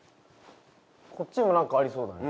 こっちも何かありそうだね